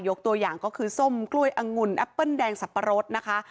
ตัวอย่างก็คือส้มกล้วยอังุ่นแอปเปิ้ลแดงสับปะรดนะคะ